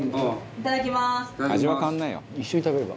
いただきます。